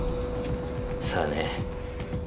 さあね。